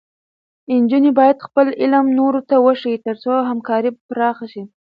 نجونې باید خپل علم نورو ته وښيي، تر څو همکاري پراخه شي.